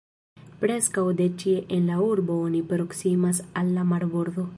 Preskaŭ de ĉie en la urbo oni proksimas al la marbordo.